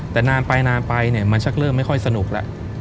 แต่นานไปนานไปเนี่ยมันชักเริ่มไม่ค่อยสนุกแล้ว